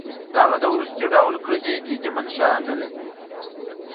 دغه د وروستي ډول کړنې دیني منشأ نه لري.